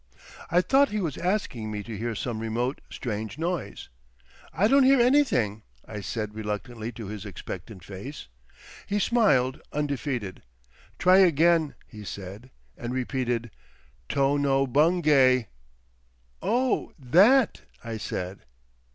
I thought he was asking me to hear some remote, strange noise. "I don't hear anything," I said reluctantly to his expectant face. He smiled undefeated. "Try again," he said, and repeated, "Tono Bungay." "Oh, that!" I said.